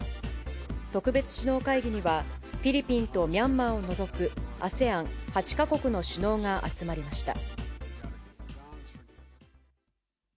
特別首脳会議には、フィリピンとミャンマーを除くＡＳＥＡＮ８か国の首脳が集まりました。